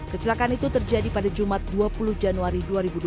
kecelakaan itu terjadi pada jumat dua puluh januari dua ribu dua puluh